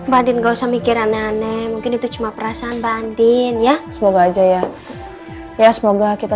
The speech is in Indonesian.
badin gak usah mikir aneh aneh mungkin itu cuma perasaan bandin ya semoga aja ya ya semoga kita